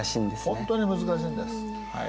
ほんとに難しいんです。